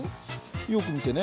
よく見てね。